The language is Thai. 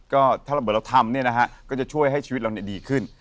ก็ถ้าเราทำก็จะช่วยให้ชีวิตเราดีขึ้น